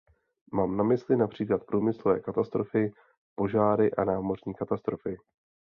Mám na mysli například průmyslové katastrofy, požáry a námořní katastrofy.